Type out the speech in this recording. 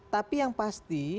tapi yang pasti